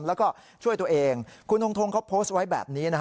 แล้วก็ช่วยตัวเองคุณทงทงเขาโพสต์ไว้แบบนี้นะฮะ